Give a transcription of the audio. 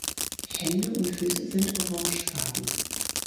Hände und Füße sind orangefarben.